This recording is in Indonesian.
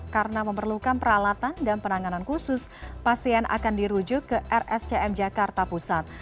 karena memerlukan peralatan dan penanganan khusus pasien akan dirujuk ke rscm jakarta pusat